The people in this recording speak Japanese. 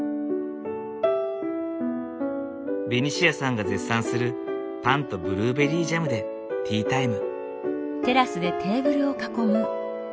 ベニシアさんが絶賛するパンとブルーベリージャムでティータイム。